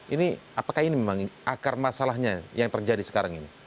ini apakah ini memang akar masalahnya yang terjadi sekarang ini